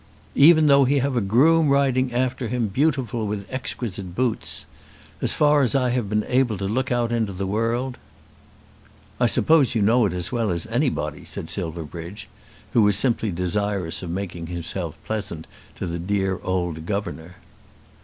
"Even though he have a groom riding after him beautiful with exquisite boots. As far as I have been able to look out into the world " "I suppose you know it as well as anybody," said Silverbridge, who was simply desirous of making himself pleasant to the "dear old governor."